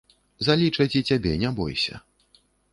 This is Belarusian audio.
Залічаць і цябе, не бойся.